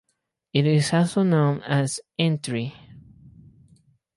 It is also known as "Entree".